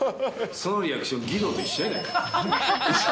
そのリアクション、義堂と一緒やないか。